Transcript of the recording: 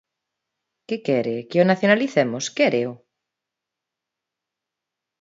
¿Que quere?, ¿que o nacionalicemos?, ¿quéreo?